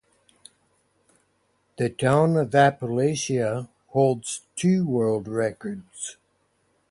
The town of Appalachia holds two world records.